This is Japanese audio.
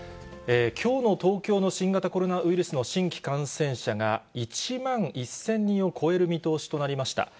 きょうの東京の新型コロナウイルスの新規感染者が１万１０００人を超える見通しとなりました。